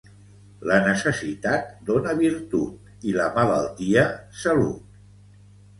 La necessitat dóna virtut i la malaltia salut.